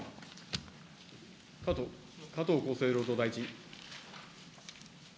加藤厚生労働大臣。